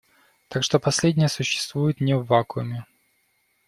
Так что последние существуют не в вакууме.